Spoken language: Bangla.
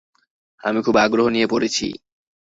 আমি খুব আগ্রহ নিয়ে পড়েছি।